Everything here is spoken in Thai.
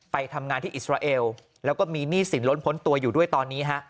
ไปทำงานที่อิสราเอลแล้วก็มีหนี้สินล้นพ้นตัวอยู่ด้วยตอนนี้ฮะ